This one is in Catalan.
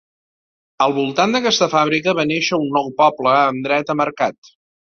Al voltant d'aquesta fàbrica va néixer un nou poble amb dret a mercat.